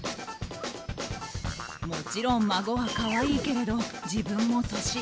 もちろん孫は可愛いけれど自分も年。